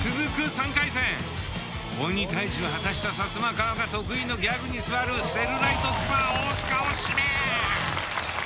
３回戦鬼退治を果たしたサツマカワが得意のギャグに座るセルライトスパ大須賀を指名。